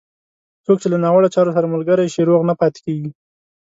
څوک چې له ناوړه چارو سره ملګری شي، روغ نه پاتېږي.